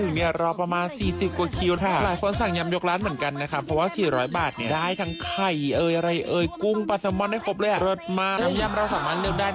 บอกเลยว่าอร่อยคิวได้